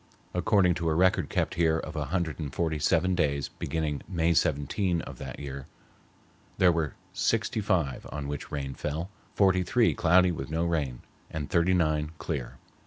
According to a record kept here of a hundred and forty seven days beginning May 17 of that year, there were sixty five on which rain fell, forty three cloudy with no rain, and thirty nine clear.